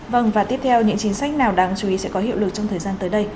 vâng và tiếp theo những chính sách nào đáng chú ý sẽ có hiệu lực trong thời gian tới đây